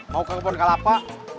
mau ke kebun kalapa